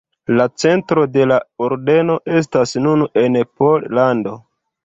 La centro de la ordeno estas nun en Pollando.